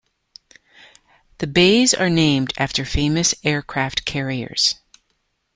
The bays are named after famous aircraft carriers.